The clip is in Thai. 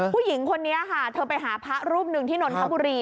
ผู้หญิงคนนี้ค่ะเธอไปหาพระรูปหนึ่งที่นนทบุรี